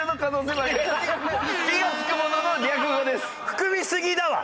含みすぎだわ！